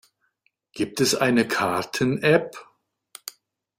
Gibt es eine Karten-App?